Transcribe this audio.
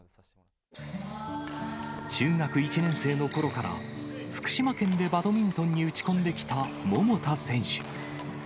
中学１年生のころから、福島県でバドミントンに打ち込んできた桃田選手。